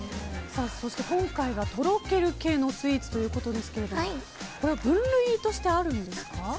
そして今回はとろける系のスイーツということですけれどもこれは分類としてあるんですか？